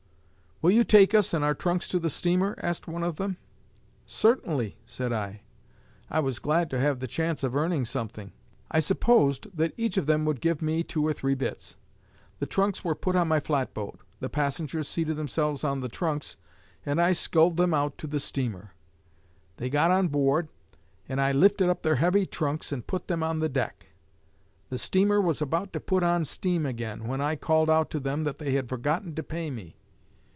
'Will you take us and our trunks to the steamer?' asked one of them. 'Certainly,' said I. I was glad to have the chance of earning something. I supposed that each of them would give me two or three bits. The trunks were put on my flatboat, the passengers seated themselves on the trunks, and I sculled them out to the steamer. They got on board, and I lifted up their heavy trunks and put them on the deck. The steamer was about to put on steam again, when I called out to them that they had forgotten to pay me.